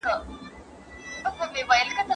دغه حاجي د پخواني جنګ په برخي کي عبرتناکي قصې کوی.